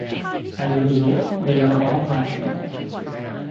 As a result, they are all rational.